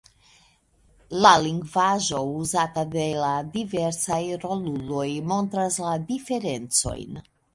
La lingvaĵo uzata de la diversaj roluloj montras la diferencojn.